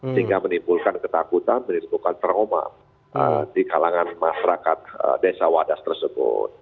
sehingga menimbulkan ketakutan menimbulkan trauma di kalangan masyarakat desa wadas tersebut